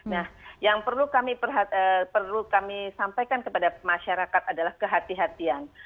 nah yang perlu kami sampaikan kepada masyarakat adalah kehatian